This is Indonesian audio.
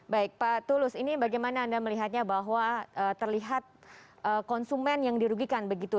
baik pak tulus ini bagaimana anda melihatnya bahwa terlihat konsumen yang dirugikan begitu